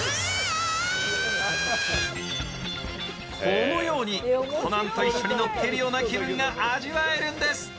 このようにコナンと一緒に乗っているような気持ちが味わえるんです。